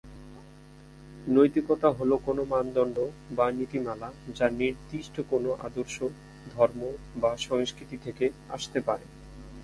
নৈতিকতা হলো কোনো মানদন্ড বা নীতিমালা যা নির্দিষ্ট কোন আদর্শ, ধর্ম বা সংস্কৃতি থেকে আসতে পারে।